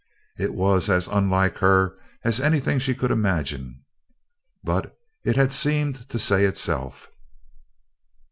It was as unlike her as anything she could imagine, but it had seemed to say itself.